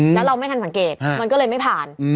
แล้วเราไม่ทันสังเกตมันก็เลยไม่ผ่าน